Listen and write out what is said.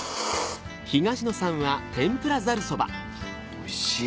おいしい。